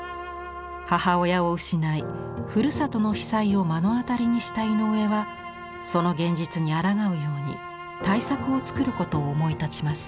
母親を失いふるさとの被災を目の当たりにした井上はその現実にあらがうように大作を作ることを思い立ちます。